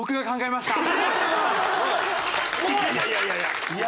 いやいやいやいや。